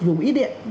dùng ít điện